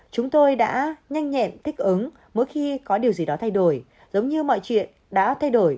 chúng tôi đã nhanh nhẹn thích ứng mỗi khi có điều gì đó thay đổi giống như mọi chuyện đã thay đổi